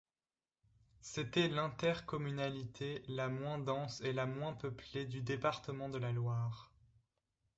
C'était l'intercommunalité la moins dense et la moins peuplée du département de la Loire.